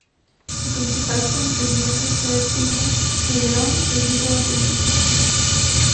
Su principal contendiente fue el filme "Reverón" de Diego Rísquez.